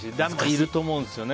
いると思うんですよね